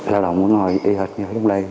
lao động nó hồi y hệt như ở trong đây